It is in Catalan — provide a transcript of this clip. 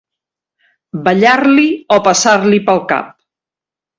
Ballar-li o passar-li pel cap.